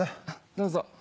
どうぞ。